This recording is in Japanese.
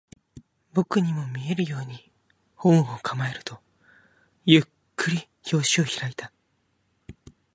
僕にも見えるように、本を構えると、ゆっくり表紙を開いた